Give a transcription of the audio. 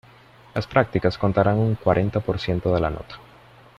Las prácticas contarán un cuarenta por ciento de la nota.